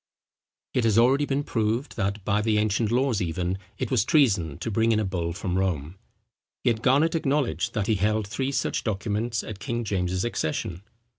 It has already been proved that, by the ancient laws even, it was treason to bring in a bull from Rome; yet Garnet acknowledged that he held three such documents at King James's accession.